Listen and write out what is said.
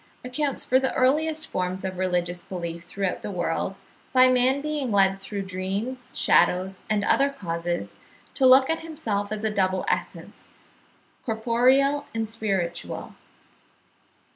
535), accounts for the earliest forms of religious belief throughout the world, by man being led through dreams, shadows, and other causes, to look at himself as a double essence, corporeal and spiritual.